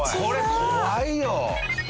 これ怖いよ！